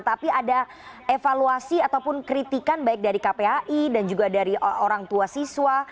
tapi ada evaluasi ataupun kritikan baik dari kpai dan juga dari orang tua siswa